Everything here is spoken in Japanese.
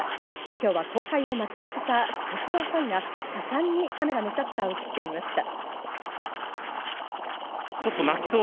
今日は公開を待ちわびた鉄道ファンが盛んにカメラのシャッターを切っていました。